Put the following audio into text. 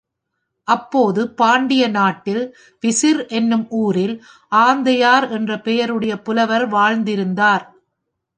அப்போது பாண்டிய நாட்டில், பிசிர் என்னும் ஊரில், ஆந்தையார் என்ற பெயருடைய புலவர் வாழ்ந்திருந்தார்.